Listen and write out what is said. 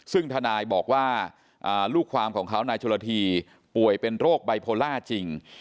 ซึ่งทนายบอกว่าลูกความของเขานายชลธีป่วยเป็นโรคไบโพล่าจริง